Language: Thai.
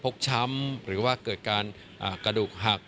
ช้ำหรือว่าเกิดการกระดูกหัก